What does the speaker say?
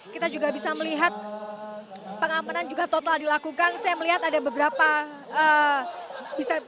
kita juga bisa melihat pengamanan juga total dilakukan saya melihat ada beberapa bisa